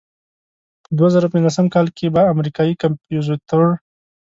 په دوه زره پنځلسم کال کې به امریکایي کمپوزیتور.